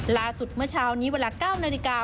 ล่าสุดเมื่อเช้านี้เวลา๙นาฬิกา